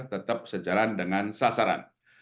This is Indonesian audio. tetap sejalan dengan sasaran